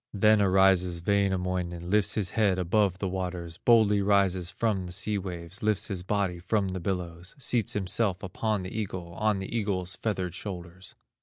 Then arises Wainamoinen, Lifts his head above the waters, Boldly rises from the sea waves, Lifts his body from the billows, Seats himself upon the eagle, On the eagle's feathered shoulders.